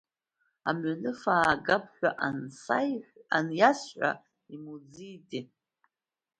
Амҩаныфа аагап ҳәа аниасҳәа имуӡеитеи!